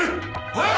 はい！